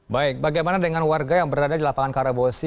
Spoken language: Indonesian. baik bagaimana dengan warga yang berada di lapangan karabosi